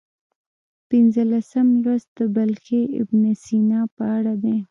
پنځلسم لوست د بلخي ابن سینا په اړه دی.